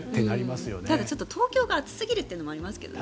ただ、東京が暑すぎるっていうのもありますけどね。